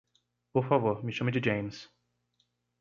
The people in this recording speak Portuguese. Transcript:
Por favor, me chame de James.